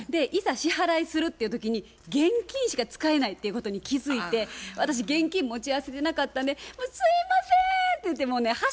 いざ支払いするっていう時に現金しか使えないっていうことに気付いて私現金持ち合わせてなかったんでもう「すいません」って言ってもうね